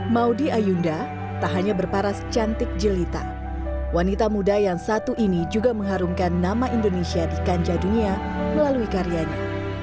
maudie ayunda tak hanya berparas cantik jelita wanita muda yang satu ini juga mengharumkan nama indonesia di kancah dunia melalui karyanya